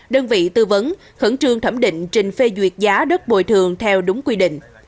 đơn vị tư vấn khẩn trương thẩm định trình phê duyệt giá đất bồi thường theo đúng quy định